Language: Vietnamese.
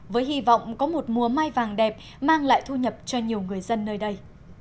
với hy vọng có một mùa mai vàng đẹp mang lại thu nhập cho nhiều người dân nơi đây